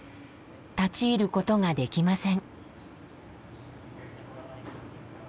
立ち入ることができません。